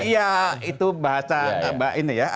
iya itu bahasa mbak ini ya